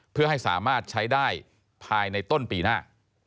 เพื่อให้สามารถใช้ได้ภายในต้นปีหน้า